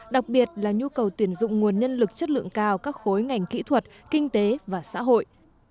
đặc biệt là nhu cầu tuyển dụng nguồn nhân lực chất lượng cao các khối ngành kỹ thuật kinh tế và xã hội